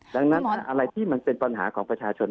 ดังนั้นอะไรที่มันเป็นปัญหาของประชาชน